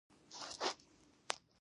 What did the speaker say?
هغوی د تعلیم د ارزښت سترګې پټولې.